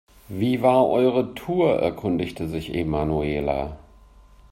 Wie war eure Tour?, erkundigte sich Emanuela.